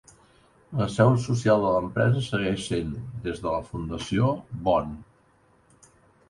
La seu social de l'empresa segueix sent, des de la fundació, Bonn.